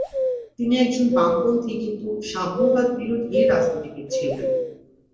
তিনি একজন বামপন্থী, কিন্তু সাম্যবাদ-বিরোধী, রাজনীতিবিদ ছিলেন।